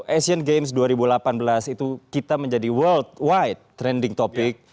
asian games dua ribu delapan belas itu kita menjadi world white trending topic